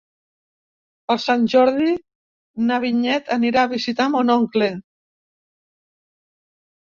Per Sant Jordi na Vinyet anirà a visitar mon oncle.